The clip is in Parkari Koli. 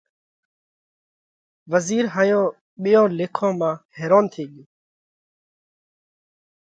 وزِير هائِيون ٻيئِيون ليکون مانه حيرونَ ٿي ڳيو۔